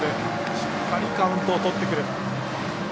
しっかりカウントをとってくる。